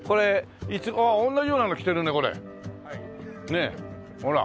ねえほら。